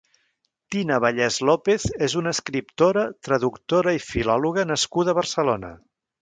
Tina Vallès López és una escriptora, traductora i filòloga nascuda a Barcelona.